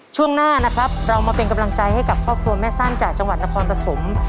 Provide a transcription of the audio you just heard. ช่วงหน้านะครับเรามาเป็นกำลังใจให้กับครอบครัวแม่สั้นจากจังหวัดนครปฐม